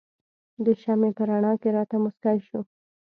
د شمعې په رڼا کې راته مسکی شو.